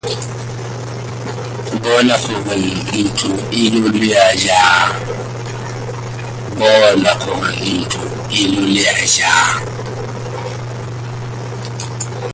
Bona gore ntlo e lolea jang!